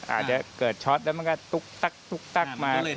อาจจะเกิดช็อตแล้วมันก็ตุ๊กตั๊กตั๊กมา